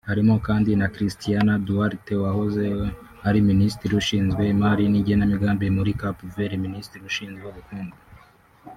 Harimo kandi Cristina Duarte wahoze ari Minisitiri ushinzwe Imari n’Igenamigambi muri Cap Vert; Minisitiri ushinzwe Ubukungu